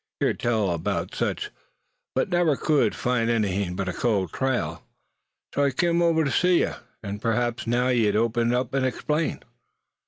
Heerd tell 'bout sich, but never cud find anythin' but a cold trail. So I kim over ter see ye; an' p'raps now ye'd open up an' 'xplain."